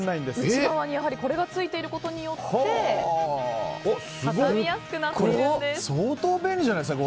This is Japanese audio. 内側についていることによって畳みやすくなっているんです。